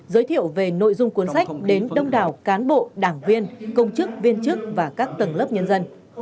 giới thiệu về nội dung cuốn sách đến đông đảo cán bộ đảng viên công chức viên chức và các tầng lớp nhân dân